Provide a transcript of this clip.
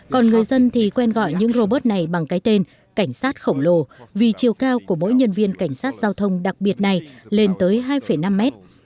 còn người dân thì quen gọi những robot này bằng cái tên cảnh sát khổng lồ vì chiều cao của mỗi nhân viên cảnh sát giao thông đặc biệt này lên tới hai năm mét